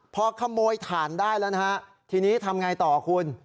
พอขโมยถ่านได้แล้วนะฮะทีนี้ทำไงต่อคุณ